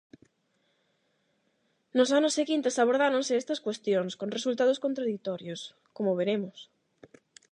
Nos anos seguintes abordáronse estas cuestións, con resultados contraditorios, como veremos.